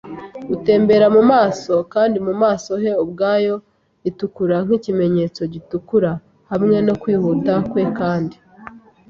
gutembera mu maso, kandi mu maso he ubwayo itukura nk'ikimenyetso gitukura hamwe no kwihuta kwe kandi